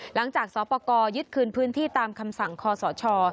หลังจากสปยึดคืนพื้นที่ตามคำสั่งขศช